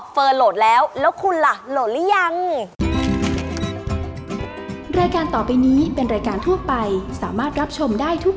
โหลดแล้วแล้วคุณล่ะโหลดหรือยัง